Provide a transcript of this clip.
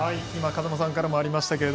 風間さんからもありました